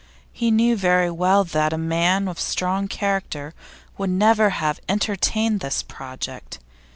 He knew very well that a man of strong character would never have entertained this project.